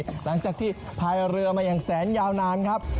หลังจากที่พายเรือมาอย่างแสนยาวนานครับ